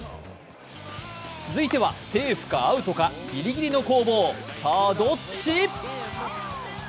続いてはセーフかアウトかギリギリの攻防、さあどっち。